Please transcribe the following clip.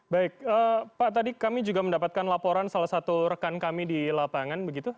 baik pak tadi kami juga mendapatkan laporan salah satu rekan kami di lapangan begitu